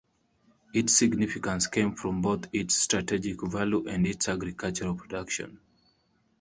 Its significance came from both its strategic value and its agricultural production.